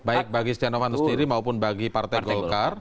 baik bagi setia novanto sendiri maupun bagi partai golkar